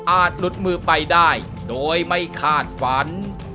หลุดมือไปได้โดยไม่คาดฝัน